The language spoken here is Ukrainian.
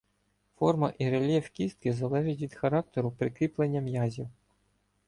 Форма і рельєф кістки залежить від характеру прикріплення м'язів.